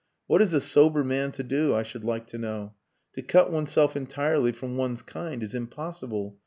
What is a sober man to do, I should like to know? To cut oneself entirely from one's kind is impossible.